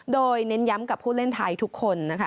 โดยเน้นย้ำกับผู้เล่นไทยทุกคนนะคะ